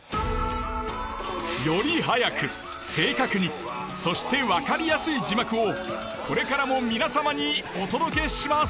より速く正確にそして分かりやすい字幕をこれからも皆様にお届けします。